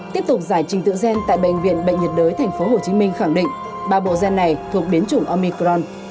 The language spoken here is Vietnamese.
tiếp tục giải trình tự gen tại bệnh viện bệnh nhiệt đới tp hcm khẳng định ba bộ gen này thuộc biến chủng omicron